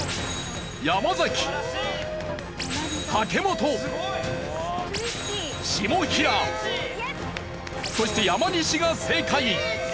山崎武元下平そして山西が正解。